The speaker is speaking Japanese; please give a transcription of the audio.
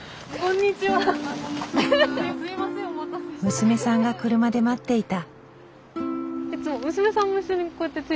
娘さんが車で待っていた。